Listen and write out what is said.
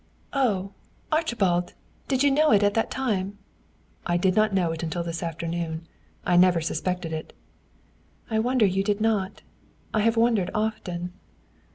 "Oh, Archibald! Did you know it at that time?" "I did not know it until this afternoon. I never suspected it." "I wonder you did not. I have wondered often."